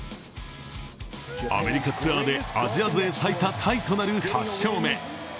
アメリカツアーでアジア勢最多タイとなる８勝目。